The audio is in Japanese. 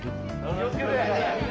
気を付けて。